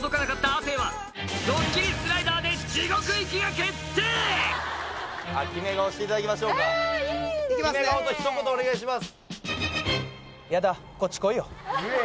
決め顔のひと言お願いします。